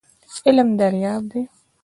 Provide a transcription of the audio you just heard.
علم دریاب دی .